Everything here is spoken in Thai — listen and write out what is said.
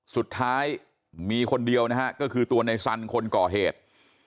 สุดท้ายมีคนเดียวนะฮะก็คือตัวในสันคนก่อเหตุ